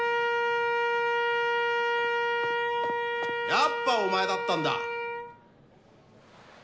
やっぱお前だったんだ！